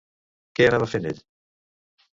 Què anava fent ell?